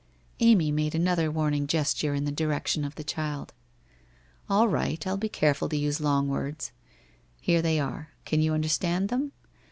Amy made another warning gesture in the direction of ili<' child. ' All right. I will be careful to use long words. Here they are. Can you understand them?